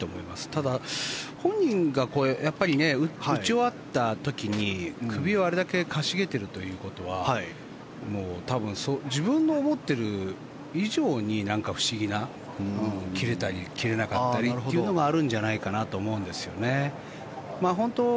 ただ、本人がやっぱり打ち終わった時に首を、あれだけかしげているということは多分、自分の思っている以上に不思議な切れたり切れなかったりというのがあるんじゃないかなと思うんですよね。